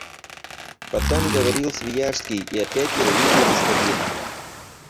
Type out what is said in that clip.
Потом говорил Свияжский и опять ядовитый господин.